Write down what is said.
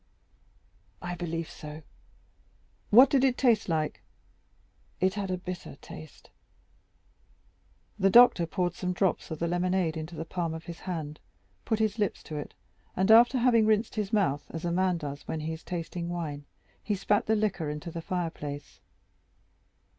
"I believe so." "What did it taste like?" "It had a bitter taste." The doctor poured some drops of the lemonade into the palm of his hand, put his lips to it, and after having rinsed his mouth as a man does when he is tasting wine, he spat the liquor into the fireplace.